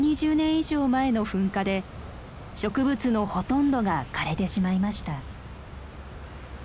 以上前の噴火で植物のほとんどが枯れてしまいました。